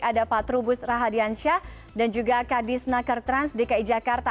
ada pak trubus rahadiansyah dan juga kadis naker trans dki jakarta